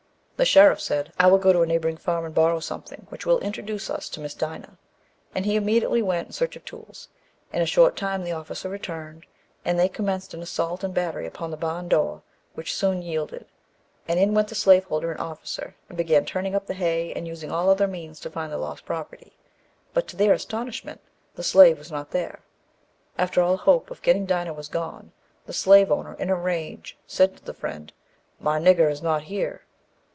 The sheriff said, "I will go to a neighbouring farm and borrow something which will introduce us to Miss Dinah;" and he immediately went in search of tools. In a short time the officer returned, and they commenced an assault and battery upon the barn door, which soon yielded; and in went the slaveholder and officer, and began turning up the hay and using all other means to find the lost property; but, to their astonishment, the slave was not there. After all hope of getting Dinah was gone, the slave owner in a rage said to the Friend, "My nigger is not here."